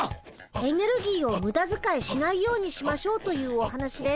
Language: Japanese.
エネルギーをムダづかいしないようにしましょうというお話です。